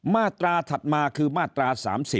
มาตราถัดมาคือมาตรา๓๐